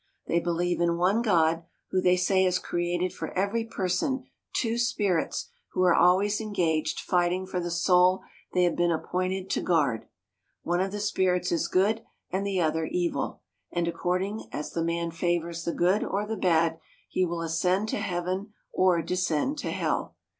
They believe in one God, who they say has created for every person two spirits who are always engaged fighting for the soul they have been ap pointed to guard. One of the spirits is good and the other evil, and according as the man favors the good or the bad, he will ascend to heaven or descend to hell.